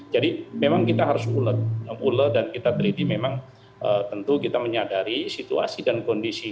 jadi memang kita harus ule dan kita terhenti memang tentu kita menyadari situasi dan kondisi